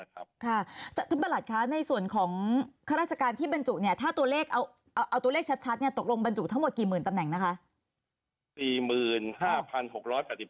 ท่านประหลัดคะในส่วนของข้าราชการที่บรรจุเนี่ยถ้าตัวเลขเอาตัวเลขชัดตกลงบรรจุทั้งหมดกี่หมื่นตำแหน่งนะคะ